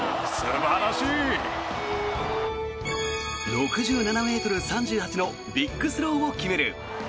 ６７ｍ３８のビッグスローを決める。